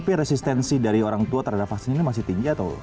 tapi resistensi dari orang tua terhadap vaksin ini masih tinggi atau